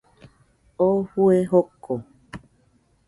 Oo fue joko